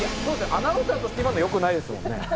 アナウンサーとして今のよくないですもんね。